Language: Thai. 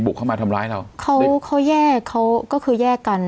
เข้ามาทำร้ายเราเขาแยกเขาก็คือแยกกัน